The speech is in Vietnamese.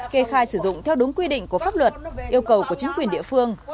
kê khai sử dụng theo đúng quy định của pháp luật yêu cầu của chính quyền địa phương